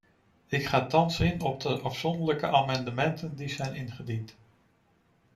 Ik ga thans in op de afzonderlijke amendementen die zijn ingediend.